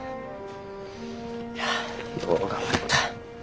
いやよう頑張った。